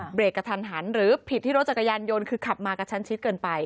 เบรกกระทันหันหรือผิดที่รถจักรยานยนต์คือขับมากระชันชิดเกินไป